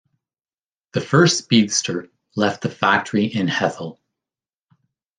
The first Speedster left the factory in Hethel.